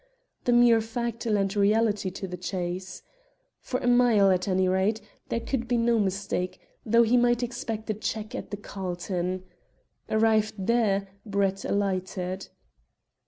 The mere fact lent reality to the chase. For a mile, at any rate, there could be no mistake, though he might expect a check at the Carlton. Arrived there, Brett alighted.